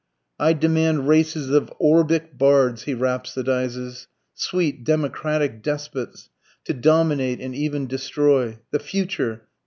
I demand races of orbic bards, he rhapsodizes, sweet democratic despots, to dominate and even destroy. The Future!